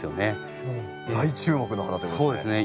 大注目の花ということですね。